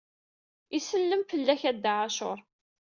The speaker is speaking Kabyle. Isellem fell-ak a Dda ɛacur.